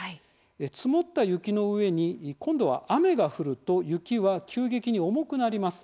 積もった雪の上に今度は雨が降ると雪は急激に重くなります。